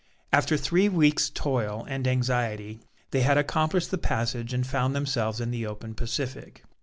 After three weeks' toil and anxiety, they had accomplished the passage and found themselves in the open Pacific.